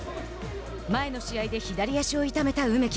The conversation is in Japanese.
前の試合で左足を痛めた梅木。